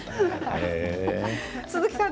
鈴木さん